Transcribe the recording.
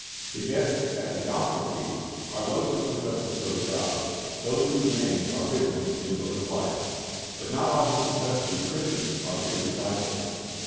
The guests at the gospel feast are those who profess to serve God, those whose names are written in the book of life. But not all who profess to be Christians are true disciples.